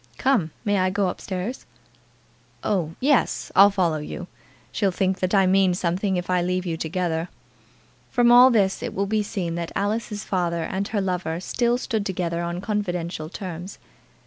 Come; may I go up stairs?" "Oh, yes. I'll follow you. She'll think that I mean something if I leave you together." From all this it will be seen that Alice's father and her lover still stood together on confidential terms.